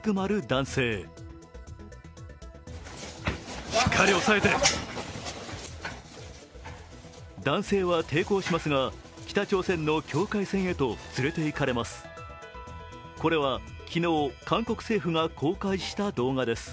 男性は抵抗しますが北朝鮮の境界線へと連れて行かれます。